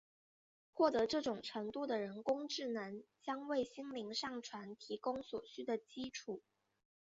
获得这种程度的人工智能将为心灵上传提供所需的基础。